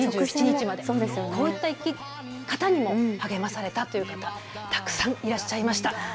こういった生き方にも励まされたという方たくさんいらっしゃいました。